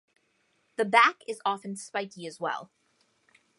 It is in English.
The back is often spiky as well.